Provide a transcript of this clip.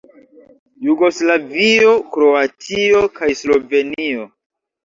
Jugoslavio, Kroatio kaj Slovenio.